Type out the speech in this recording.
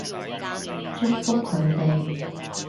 祝福佢哋